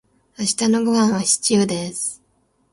明日のごはんはシチューです。